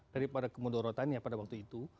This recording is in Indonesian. daripada kemudorotannya pada waktu itu